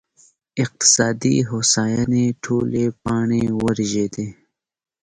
اقتصادي هوساینې ټولې پاڼې ورژېدې